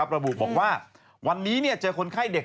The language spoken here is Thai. ระบุบอกว่าวันนี้เจอคนไข้เด็ก